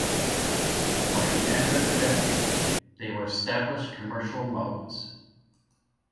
By the end of the decade, they were established commercial modes.